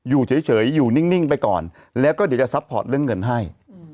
อยู่เฉยอยู่นิ่งไปก่อนแล้วก็เดี๋ยวจะซัพพอร์ตเรื่องเงินให้